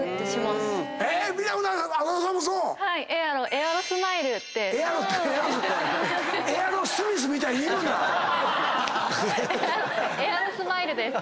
エアロスマイルです。